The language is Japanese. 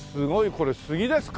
これ杉ですか？